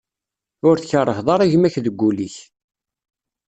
Ur tkeṛṛheḍ ara gma-k deg wul-ik.